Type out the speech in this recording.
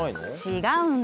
違うんだよ。